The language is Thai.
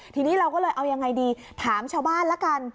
ทีนี้เราก็เลยเอายังไงดีถามชาวบ้านละกัน